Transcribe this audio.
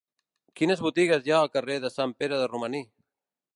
Quines botigues hi ha al carrer de Sant Pere de Romaní?